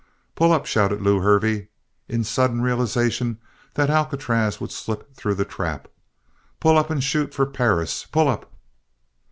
"Pull up!" shouted Lew Hervey, in sudden realization that Alcatraz would slip through the trap. "Pull up! And shoot for Perris! Pull up!"